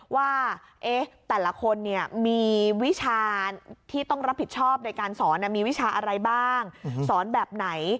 ว่าแต่ละคนมีวิชาที่ต้องรับผิดชอบในการสอนมีวิชาอะไรบ้างสอนแบบไหน